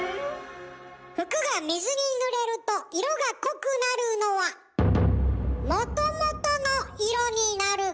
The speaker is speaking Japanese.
服が水にぬれると色が濃くなるのはもともとの色になるから。